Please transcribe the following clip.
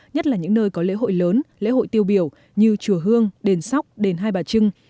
nhất là những nơi có lễ hội lớn lễ hội tiêu biểu như chùa hương đền sóc đền hai bà trưng